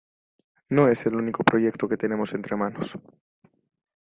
No es el único proyecto que tenemos entre manos.